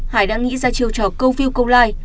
hải đã nghĩ ra chiều trò câu view câu like